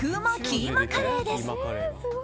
キーマカレーです。